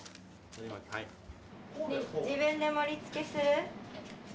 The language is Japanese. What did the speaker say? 自分で盛りつけする？